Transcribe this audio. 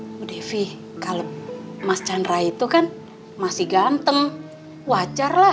bu devi kalau mas chandra itu kan masih ganteng wajar lah